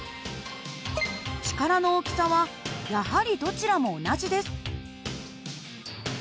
力の大きさはやはりどちらも同じです。